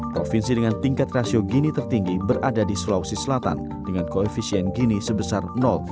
provinsi dengan tingkat rasio gini tertinggi berada di sulawesi selatan dengan koefisien gini sebesar empat ratus dua puluh enam